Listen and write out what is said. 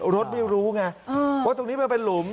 รถไม่รู้ไงว่าตรงนี้มันเป็นหลุม